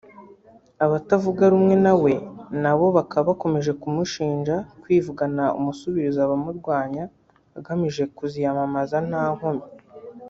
abatavuga rumwe nawe nabo bakaba bakomeje kumushinja kwivugana umusubirizo abamurwanya agamije kuziyamamaza nta nkomyi